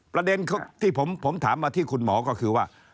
ประเด็นที่ผมถามมาที่คุณหมอก็คือว่า